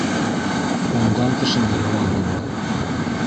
Уңған кешенең яуабы был